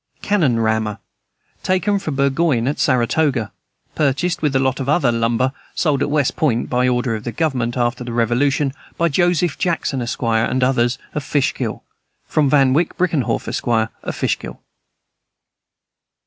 Cannon rammer, taken with Burgoyne at Saratoga. Purchased, with a lot of other "lumber" (sold at West Point by order of the government, after the Revolution), by Joseph Jackson, Esq., and others, of Fishkill. From Van Wyck Brinkerhoff, Esq., of Fishkill.